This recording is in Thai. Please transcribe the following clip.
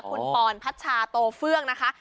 คุณปอนพัชชาโตเฟื่องนะคะ